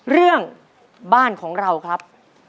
เรื่องบ้านของเราครับ